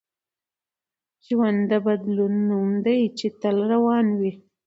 ژوند د بدلون نوم دی چي تل روان وي.